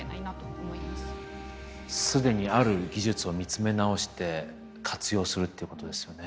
既にある技術を見つめ直して活用するっていうことですよね。